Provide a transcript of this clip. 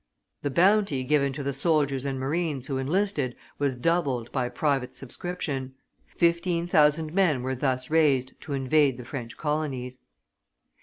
The bounty given to the soldiers and marines who enlisted was doubled by private subscription; fifteen thousand men were thus raised to invade the French colonies.